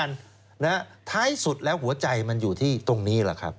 ใน่งเยอะแหละครับล่ะท้ายสุดแล้วหัวใจมันอยู่ที่ตรงนี้ครับ